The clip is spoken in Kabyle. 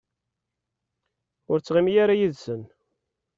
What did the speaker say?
Ur ttɣimi ara yid-sen.